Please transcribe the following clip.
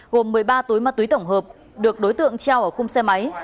gồm một mươi ba túi ma túy tổng hợp được đối tượng treo ở khung xe máy